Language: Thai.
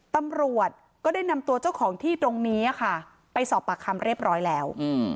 ตำรวจก็ได้นำตัวเจ้าของที่ตรงนี้ค่ะไปสอบปากคำเรียบร้อยแล้ว